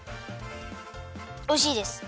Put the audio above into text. おいしいです。